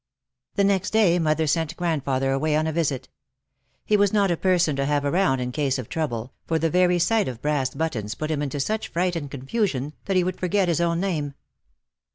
The next day mother sent grandfather away on a visit. He was not a person to have around in case of trouble, for the very sight of brass buttons put him into such fright and confusion, that he would forget his own name.